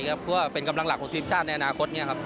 เพราะว่าเป็นกำลังหลักของทีมชาติในอนาคต